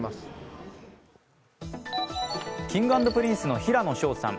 Ｋｉｎｇ＆Ｐｒｉｎｃｅの平野紫耀さん。